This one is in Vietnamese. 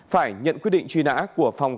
phải nhận quyết định truy nã của phòng